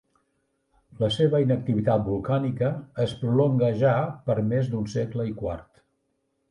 La seva inactivitat volcànica es prolonga ja per més d'un segle i quart.